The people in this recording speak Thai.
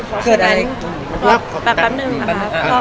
แป๊บนึงนะคะ